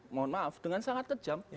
mohon maaf dengan sangat kejam